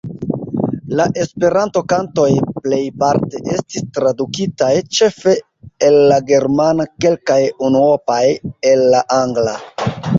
La Esperanto-kantoj plejparte estis tradukitaj; ĉefe el la germana, kelkaj unuopaj el la angla.